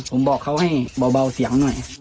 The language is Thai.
ผมบอกเขาให้เบาเสียงหน่อย